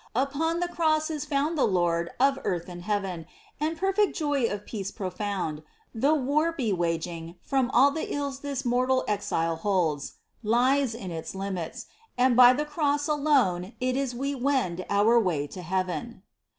Upon the Cross is found the Lord Of earth and heaven, And perfect joy of peace profound (Though war be waging cr,j~ From all the ills this mortal exile holds) Lies in its limits. And by the Cross alone it is we wend Our way to heaven.